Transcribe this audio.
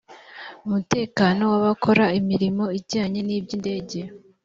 umutekano w abakora imirimo ijyanye n iby indege